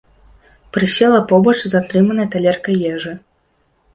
Прысела побач з атрыманай талеркай ежы.